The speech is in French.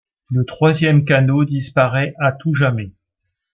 Le troisième canot disparait à tout jamais.